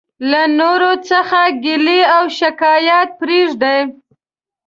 له نورو څخه ګيلي او او شکايت پريږدٸ.